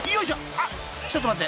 あっちょっと待って］